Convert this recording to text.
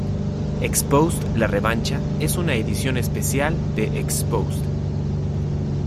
Exposed: La Revancha es una edición especial de "Exposed".